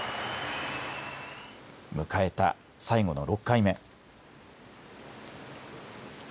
迎えた最後の６回目。